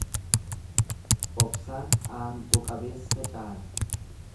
Obsaan aango qabeessa caala.